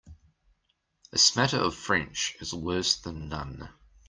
A smatter of French is worse than none.